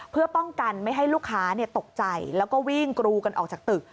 เพื่อป้องกันไม่ให้ลูกค้าตกใจแล้วก็วิ่งกรูกันออกจากตึก